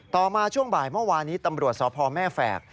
ต่อมาช่วงบ่ายเมื่อวานนี้ตำรวจสพแม่แฝก